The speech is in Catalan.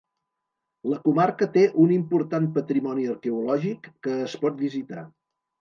La comarca té un important patrimoni arqueològic, que es pot visitar.